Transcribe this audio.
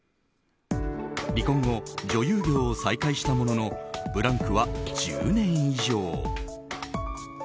離婚後女優業を再開したもののブランクは１０年以上。